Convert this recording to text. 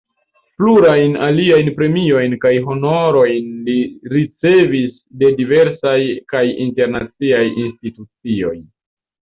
Plurajn aliajn premiojn kaj honorojn li ricevis de diversaj kaj internaciaj institucioj.